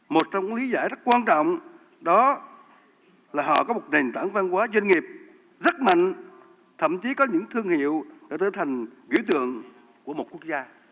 một trong lý giải rất quan trọng đó là họ có một nền tảng văn hóa doanh nghiệp rất mạnh thậm chí có những thương hiệu đã trở thành biểu tượng của một quốc gia